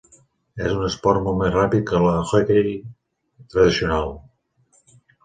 És un esport molt més ràpid que l'hoquei tradicional.